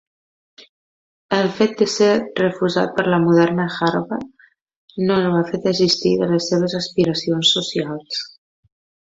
El fet de ser refusat per la moderna Harvard no el va fer desistir de les seves aspiracions socials.